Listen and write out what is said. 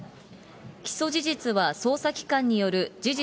起訴事実は捜査機関による事実